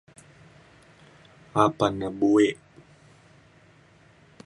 apan ne buek